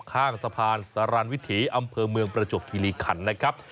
ข้างสะพานสารวิถีอำเภอเมืองประจวบคิริขันนะครับ